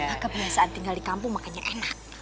maka biasa tinggal di kampung makanya enak